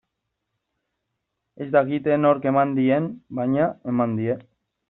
Ez dakite nork eman dien, baina eman die.